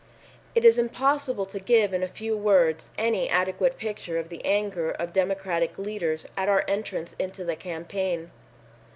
It is impossible to give in a few words any adequate picture of the anger of Democratic leaders at our entrance into the campaign.